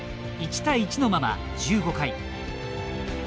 １対１のまま１５回。